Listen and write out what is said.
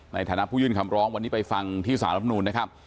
ในฐานะผู้ยื่นคำร้องวันนี้ไปฟังที่สารรับนูนนะครับ